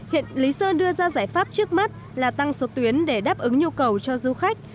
hiện lý sơn đưa ra giải pháp trước mắt là tăng số tuyến để đáp ứng nhu cầu cho du khách